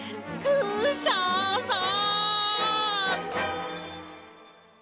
クシャさん。